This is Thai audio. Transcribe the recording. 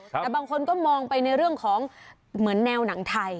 แต่บางคนก็มองไปในเรื่องของเหมือนแนวหนังไทย